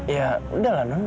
ya udah lah non